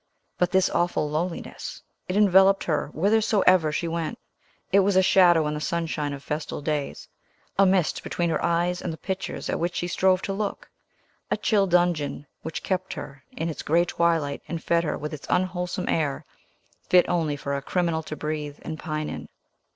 But this awful loneliness! It enveloped her whithersoever she went. It was a shadow in the sunshine of festal days; a mist between her eyes and the pictures at which she strove to look; a chill dungeon, which kept her in its gray twilight and fed her with its unwholesome air, fit only for a criminal to breathe and pine in!